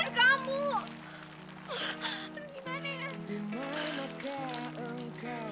teri aku tuh pada mungkin gak akan badan kamu